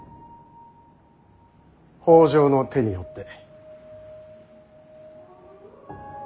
北条の手によって。